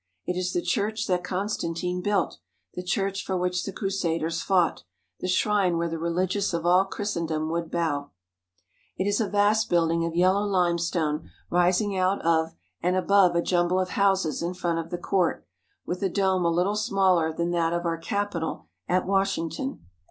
It is the church that Constantine built, the church for which the Crusaders fought, the shrine where the religious of all Christendom would bow. It is a vast building of yellow limestone rising out of 88 EASTER IN JERUSALEM and above a jumble of houses in front of the court, with a dome a little smaller than that of our Capitol at Wash ington.